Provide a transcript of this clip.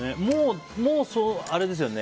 もう、あれですよね。